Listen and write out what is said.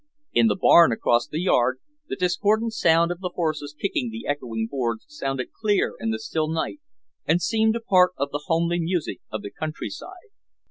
In the barn across the yard the discordant sound of the horses kicking the echoing boards sounded clear in the still night and seemed a part of the homely music of the countryside.